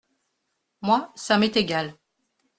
Moi ça m’est égal.